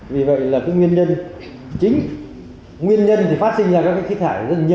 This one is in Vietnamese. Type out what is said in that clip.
vì vậy là cái nguyên nhân chính nguyên nhân thì phát sinh ra các thiệt hại rất nhiều nguyên nhân